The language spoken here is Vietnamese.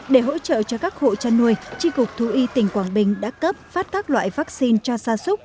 để hỗ trợ cho các hộ trà nuôi tri cục thu y tỉnh quảng bình đã cấp phát các loại vaccine cho xa xúc